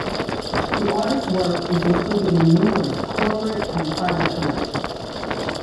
The artist's work is included in numerous corporate and private collections.